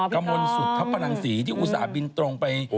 กระมวลสุธพนังศรีที่อุตส่าห์บินตรงไป